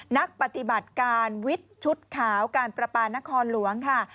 นักปฏิบัติการวิทย์ชุดขาวการประปานครหลวงค่ะ